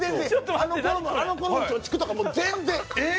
あのころの貯蓄とか全然！